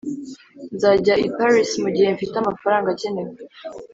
nzajya i paris mugihe mfite amafaranga akenewe.